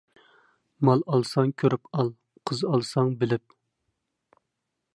مال ئالساڭ كۆرۈپ ئال، قىز ئالساڭ بىلىپ.